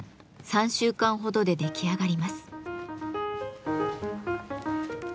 ３週間ほどで出来上がります。